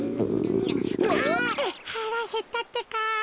はらへったってか。